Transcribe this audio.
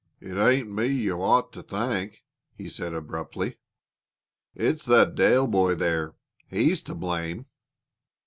"It ain't me you ought to thank," he said abruptly. "It's that Dale boy there; he's to blame."